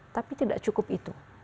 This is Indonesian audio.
tapi tidak cukup itu